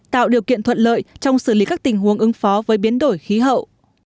tạo điều kiện thuận lợi trong xử lý các tình huống ứng phó với biến đổi khí hậu